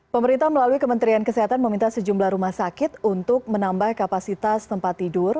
pemerintah melalui kementerian kesehatan meminta sejumlah rumah sakit untuk menambah kapasitas tempat tidur